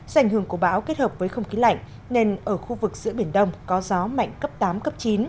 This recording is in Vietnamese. do ảnh hưởng của bão kết hợp với không khí lạnh nên ở khu vực giữa biển đông có gió mạnh cấp tám cấp chín